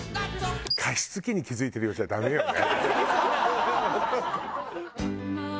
加湿器に気付いてるようじゃダメよね。